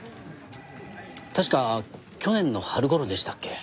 確か去年の春頃でしたっけ